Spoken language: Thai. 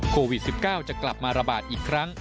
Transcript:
โควิด๑๙จะกลับมาระบาดอีกครั้ง